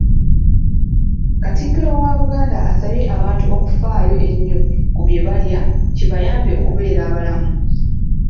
Katikkiro wa Buganda, asabye abantu okufaayo ennyo ku bye balya kibayambe okubeera abalamu.